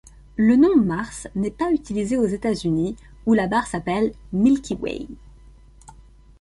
Le nom Mars n'est pas utilisé aux États-Unis où la barre s'appelle Milky Way.